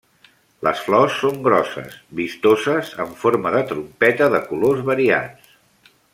Les flors són grosses, vistoses, en forma de trompeta de colors variats.